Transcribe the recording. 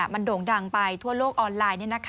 มันโด่งดังไปทั่วโลกออนไลน์